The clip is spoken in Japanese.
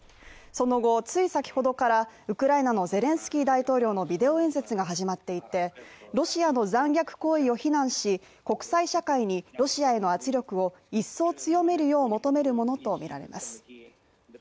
その後、つい先ほどからウクライナのゼレンスキー大統領のビデオ演説が始まっていてロシアの残虐行為を非難し国際社会にロシアへの圧力を一層強めるよう求めるものと見られます。